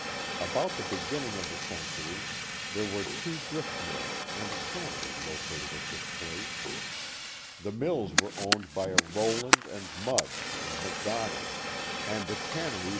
About the beginning of the century there were two grist mills and a tannery located at this place. The mills were owned by a Rowland and Mudge and McDonald. 4O0 The Mohawk Valley and the tannery.'